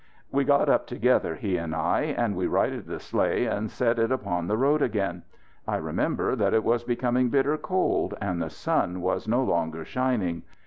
We got up together, he and I, and we righted the sleigh and set it upon the road again. I remember that it was becoming bitter cold and the sun was no longer shining.